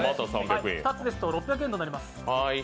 ２つですと６００円いただきます。